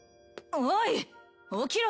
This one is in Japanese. おい起きろ！